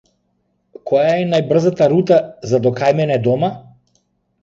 Која е најбрзата рута за до кај мене дома?